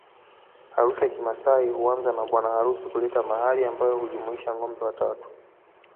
Harusi ya kimaasai huanza na bwana harusi kuleta mahari ambayo hujumuisha ngombe watatu